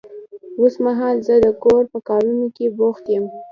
اوس مهال زه د کور په کارونه کې بوخت يم.